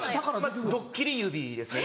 ドッキリ指ですね。